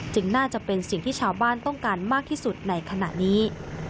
น่าจะเป็นสิ่งที่ชาวบ้านต้องการมากที่สุดในขณะนี้